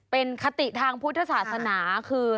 เป็นคติทางพุทธศาสนาคือ